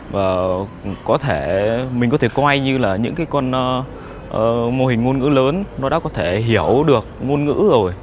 và mình có thể coi như là những cái con mô hình ngôn ngữ lớn nó đã có thể hiểu được ngôn ngữ rồi